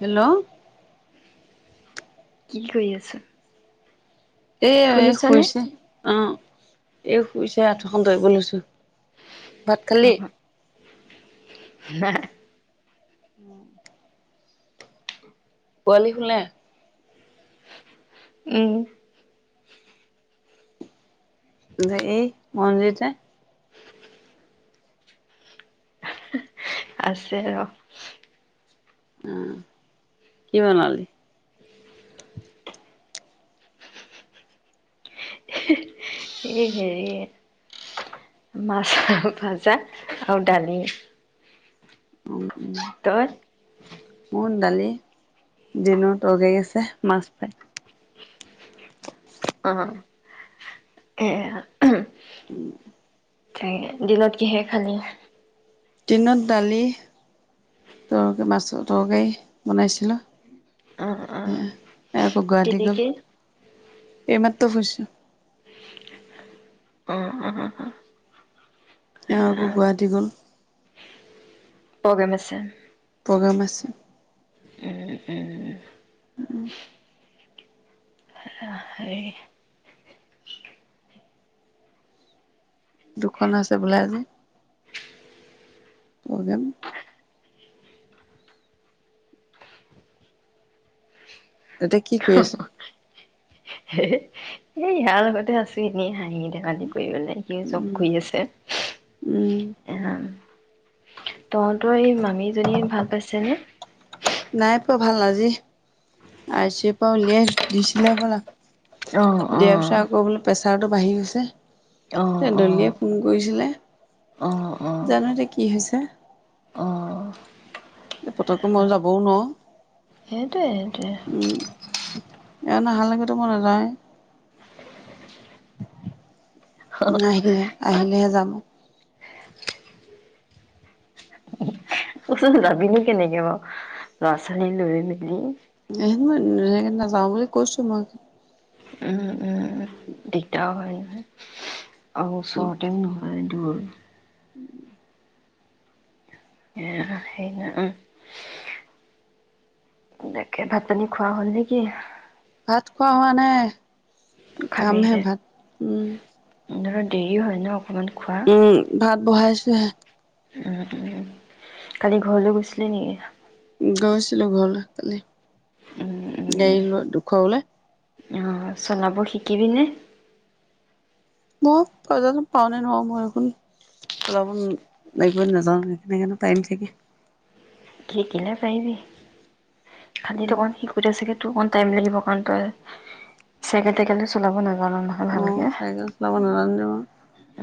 Hello কি কৰি আছা এাই এ শুনিছানে? শুইছে অ এ শুইছে আঁঠখন ধৰি গ লৈছো ভাত খালি ন উম পোৱালি শ ন উম যে এই মন্দিৰতে আছে ৰ উম কি বনালি স হেৰি মাছ ভাজা আৰু দালি অ উম তই? মন দালি দিনো তাই আছে মাছ ফাই অ এয়া ত দিনত কিহে খালি দিনত দালি তৰ মাছৰ তৰকাৰী বনাইছিলো অ অ এ একো গুৱাহাটী গল তিলিকি এই মাতো খুছ উম উম উম উ এ আকৌ গুৱাহাটী গল প্ৰগেম আছে প্ৰগ্ৰাম আছে এ এ উম সেইয়া হে দুখন আছে বোলে আজি অ যাম এতিয়া কি কৰি আছ হে ইয়াৰ লগতে আছো এনেই হাঁহি ধেমালি কৰি মানে, সি চব উম কৰি আছে উম এ' তহঁতৰ এই মামীজনী ভাল পাইছেনে? নাই পোৱা ভাল আজি, আই চি ও' ৰ পা উলিয়াই দিছিল হ'বলা অ দিয়াৰ পিছত অ আকৌ বোলে পেচে- পেচাৰটো বাঢ়ি অ', গৈছে ডলিয়ে অ', ফোন কৰিছিলে অ', অ', জানুৱাৰীত [unintelligible] কি হৈছে অ এই পতককৈ মই যাবও নোৱাৰো। সেইটোৱে সেইটোৱে এওঁ নাহালেকেতো মই নাযাওঁৱে নাহিলে আহিলেহে যাম ক'চোন যাবি নো কেনেকে বাৰু ল'ৰা-ছোৱালী লৈ মেলি [unintelligible] নাযাওঁ বুলি কৈছো মই উম [inaudible] দিগদাৰ হয় নহয় আৰু ওচৰতেও নহয় সেইটো হয় [inaudible] [inaudible] [unintelligible] সেই ন', উম তাকে ভাত পানী খোৱা হ'ল নেকি? ভাত খোৱা হোৱা নাই খাম হে' খাবিহে? ভাত, উম ধৰা দেৰি হয় ন' অকণমান খোৱা। উম ভাত বহাইছ ছোহে [unintelligible] উম, উম, কালি ঘৰলৈ গৈছিলি নেকি? গৈছিলো ঘৰলৈ কালি। [unintelligible] [unintelligible] ঘৰলে অহ', চলাব শিকিবি নে'? মই চলাব পাৰো নে নোৱাৰো পাৰিম চাগে শিকিলে পাৰিবি খালী তোমাৰ শিকোতে চাগে [unintelligible] টাইম লাগিব কাৰণ তই চাইকেল-তাইকেলটো চলাব নাজ [unintelligible] ভালকে অ ভালকে, চাইকেল চলাব নাজানো যে মই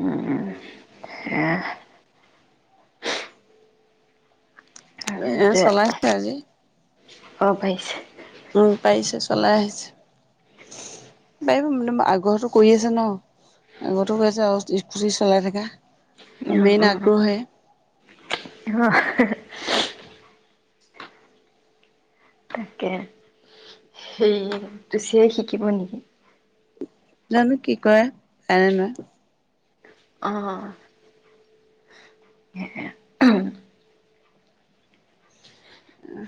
উম এহ' এ চলাইছে আজি অ ভাইছ উম পাৰিছে চলাই আহিছে পাৰিব মানে আগো কৰি আছে ন আগো কৈ আছে আৰু স্কুটি চলাই থকা আহ অ আহ তাকে সেই ুচিয়াই শিকিব নেকি জানো কি কৰে কাৰনে নহয় আহ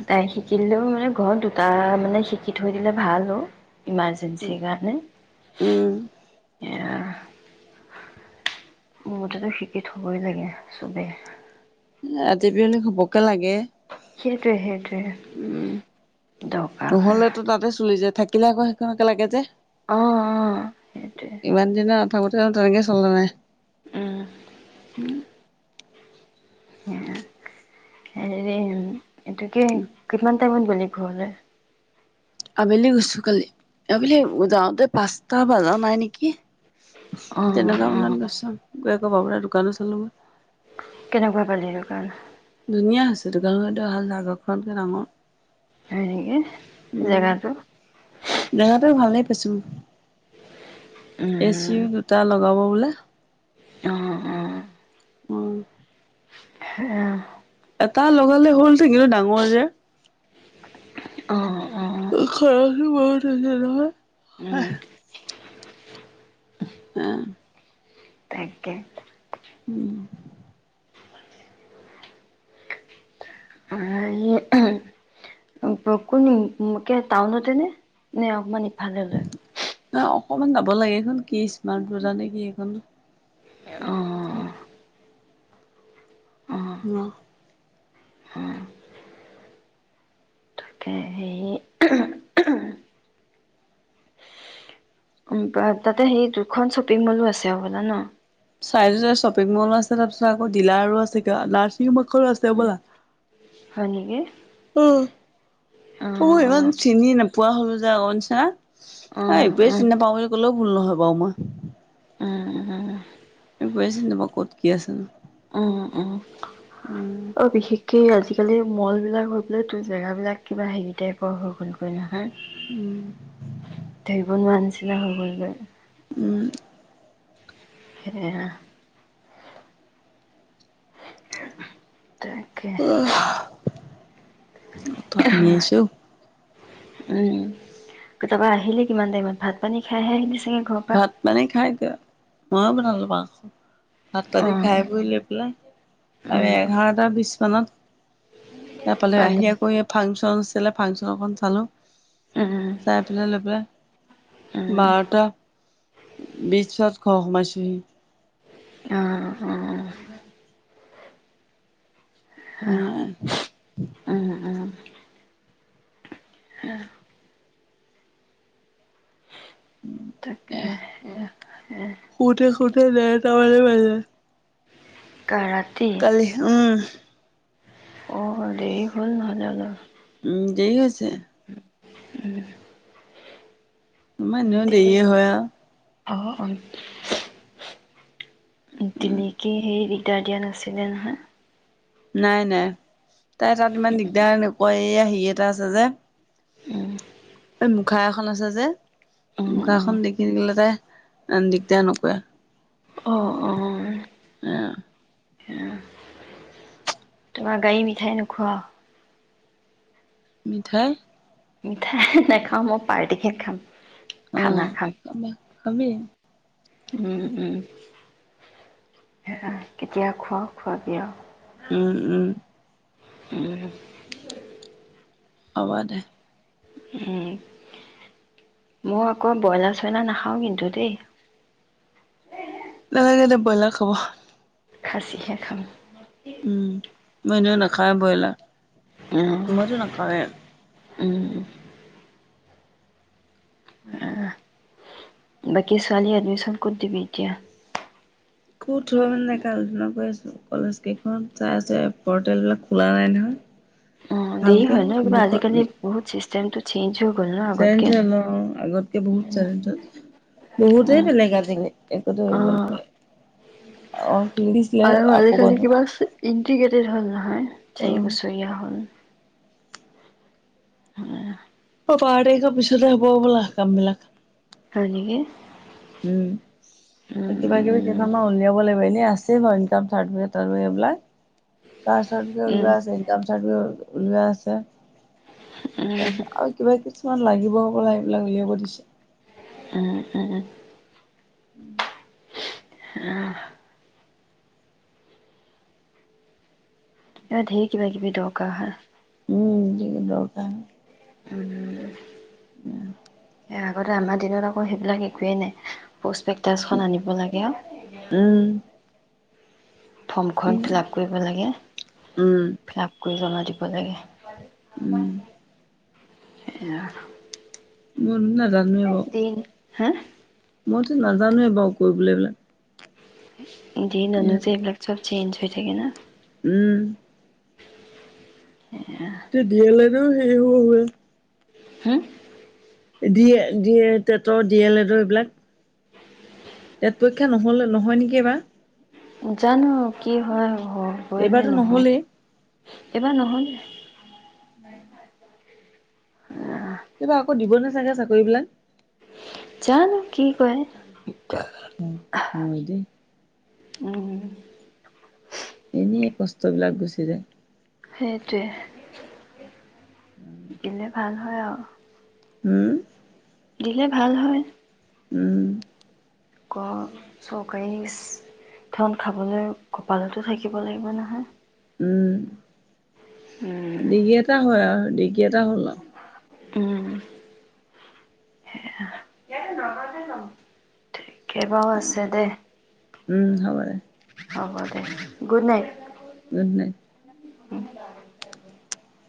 তাই শিকিলো মে ঘৰত দুটা মানে শিকি থৈ দিলে ভাল অ ইমাৰজেনঞ্চ গান উম। মোৰতেতো শিকি থবই লাগে চবেই ৰাতিপুৱলি হবকে লাগে সেইটোৱে উম। সেইটোৱে দৰকাৰ হয় পিলাক সেই কেনেকে লাগে যে আহ অ সেইটোৱে ত তনেে চলে উম উ হৰি এটো কি কিমান টাইমত গ'লি ঘৰলৈ আবেলি গৈছো কালি আবেলি যাওঁতে পাঁচটা বজা নাই নেকি অঁ তেনেককাা অঁ মনত গৈছা আকৌ বাবু দোকানো চলো মই কেনেকুৱা পালে দোকান ধুনীয়া হৈছে দোকানত অহাল জাগৰখনকে ডাঙৰ হয় নেকি উম জাগাটো পচো এ চিও দুটা লগাব বোলে [unintelligible] অ অ অ আহ এটা লগালে হ'ল থাকিলো ডাঙৰ যে অ হাঁহি মাৰি তে নহয়। উম আহ তাকে উম কোন টাউনতে নে নে অকমান ইফালে লৈ ন অকমান যাব লাগে সখন কি স্মাৰ্ট বজাৰ নে কি সিখন অঁ অঁ উহ অঁ তাকে হেৰি উ তাতে সেই দুখন শ্বপিং মলো আছে হ'বলা ন চাই চ শ্বপিং মলো আছে তাৰপিছত আকৌ ডিলাৰো আছে কিয় নাৰ্ছিং হোমত ৰাস্তও ব'লা হয় নেকি? অঁ উ অ অঁ ইমান চিনি নাপায়। পোৱা হল যে আগ নিছিনা। অ এইোৱে চিন্তা পাওঁ বুলি কলেও ভুল নহয়ব বামা। উম উ উম আ একোৱে চিনি নাপাওঁ ক'ত কি আছে। উম উম উম অ বিশেষকে আজি একেলি মলবিলাক হৈ পেলাই তোৰ জেগাবিলাক কিবা হেৰি টাইপৰ হেৰী তাইপ হ'লগৈ যানা উম ধৰিবন নোৱাৰা নিছিনা। চিনা হৈ গ'ল যে উম সেয়া তাকে অ ত হামি আহিছে অ উম ত তাপা আহিলে কিমান টাইমত ভাত পানী খাইহে আহিলে ভাত পানী খাই ক মই বনালো মাছ ভাত ত অ দি খাই বৈ লৈ পেলাই আমি উম এঘাৰটাৰ ৱিছ তানত তাৰফালে পালি আহি আকৌ ফাংচন। কেলৈ ফাংচনখন চালোঁ। উম চাই পেলাই লৈ পেলাই উম বাৰটা বিজ পত ঘৰ সোমাইছোহি অঁ অঁ নোৱাৰে আউ উম আহ তাকে, এ, এ তল মাজে, কা ৰাতি কালি উম',। অ', দেৰি হল নহ'লে অলপ। উম', দি গৈছে। উপ ', উ', মই এনেও দেৰি হয় আৰু। অহ, - অহ, তেনেকে হেৰি, দাৰ দিয়া নাছিলে নহয়। নাই -নাই তাই তাত ইমান দিগদাৰ নকয় আহি, ই এটা আছে যে, উম', এই মুখা এখন আছে যে, উম মুখা উম এখন দেখিলে তাই দিগদাৰ নকৰে। অহ ', - অহ ', আহ, তোমাৰ গাড়ী মিঠাই নোখোৱাও? মিঠাই? মিঠাই নেখাওঁ মই পাৰ্টি খে খাম। খানা খাম। আমি? উম', - উম', সেয়া কেতিয়া খোৱা খোৱাবি আৰু। উম -উম উম্ হ'ব দে। উম, ' মই আকৌ ব্ৰইলাৰ -চয়লাৰ নাখাও কিন্তু দেই। নালাগে দে বইলাৰ খাব। খাচিহে খাম। [unintelligible] উম মই এনেও নাখাওৱে উম ব্ৰইলাৰ। মইতো নাখাওঁৱে। উম, ' [unintelligible] বাকী ছোৱালী এডমিচন ক'ত দিবি এতিয়া? ক'ত লয় মানে তাকে আলোচনা কৰি আছো। কলেজ কেইখনত চাই আছে, পৰ্টেল বিলাক খোলা নাই নহয়। অ', দেৰি ভালকে হয় ন, কিবা দুখন আজিকালি বহুত চিষ্টে, জেণ্টো চি, চেঞ্জ হৈ গল অ ', আগতকে বহুত চেঞ্জ হল বহুতেই বেলেগ আজিকালি একোতে কৰিব অ নো', অ, খুলি দিছিলে আকৌ বন্ধ। টিকেটে হ'ল নহয়। অ চাৰি বছৰীয়া হ'ল। উ [inaudible] অ, বাৰ তাৰিখৰ পিছতে হ'ব বলা কাম বিলাক। হয় নেকি। উম, উম কিবা কিবি কেইখনমান উলিয়াব লাগিব এনে আ [unintelligible] কাষ্ট চাৰ্টিফিকেট উম ওলোৱা আছে ইনকাম চাৰ্টিফিকেট। ওলোৱা আছে। তাৰ উম পাছত আৰু কিবা কিবি। কিমান লাগিব প এইবিলাক উলিয়াব দিছে। উম, উম, উম। উম। আহ। এ ঢেৰ কিবা কিবি দৰকাৰ হয়। উম, যি দৰকাৰ। উম, উম। এয়া। আগতে আমাৰ দিনত আকৌ সেইবিলাক একোৱেই নাই। প্ৰচপেক্টাছখন আনিব লাগে অ। উম ফৰ্মখন উম ফিলাপ কৰিব লাগে উম ফিলাপ। কৰি জমা দিব লাগে। উম। এয়া। উম। নাজানো এই ৰ। হা। মইতো নাজানোৱে বাৰু কৰিবলৈ এই বিলাক। [unintelligible] দিন আনো যে এইবিলাক চব চেঞ্চ। হৈ থাকে না। উম। সেয়া। ন সেই শু শুৱে। হুম। দিয়ে দিয়ে। টেটৰ ডি এল এডৰ এইবিলাক টেট পৰীক্ষা নহ'লে নহয় নেকি এইবাৰ। জানো আৰু কি হয়। এইবাৰটো নহ'লেই। এবাৰ নহয়। এইবাৰ আকৌ দিবনে চাগে চাকৰি বিলাক জানো কি কয়। উম, হয় দে। উম। এনে কষ্টবিলাক গুচি যায়। সেইটোৱে। এনে ভাল হয়, অহ। হম। দিলে ভাল হয়। উম। চৰকাৰী ধন খাবলৈ কপালটো থাকিব লাগিব নহয়। উম। উম ডিগি এটা হয় আৰু ডিগ কি এটা হ'ল। আৰু উম। এইবাও আছে দে। উম, হ'ব দে হ'ব দে গুড নাইট। গুডনাইত। [inaudible]